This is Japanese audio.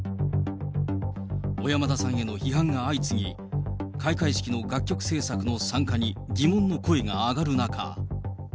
小山田さんへの批判が相次ぎ、開会式の楽曲制作の参加に疑問の声が上がる中。